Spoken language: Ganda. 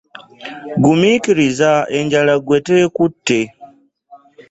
Gumiikiriza, enjala ggwe teekutte.